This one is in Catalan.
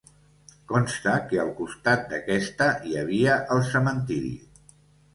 Consta que al costat d'aquesta, hi havia, el cementiri.